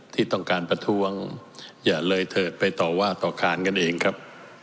ที่ต้องการประท้วงอย่าเลยเถิดไปต่อว่าต่อการกันเองครับ